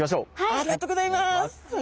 ありがとうございます！